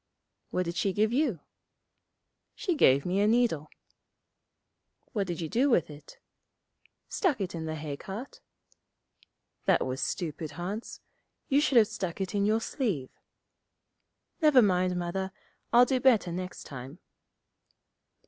'What did she give you?' 'She gave me a needle.' 'What did you do with it?' 'Stuck it in the hay cart.' 'That was stupid, Hans. You should have stuck it in your sleeve.' 'Never mind, Mother; I'll do better next time.'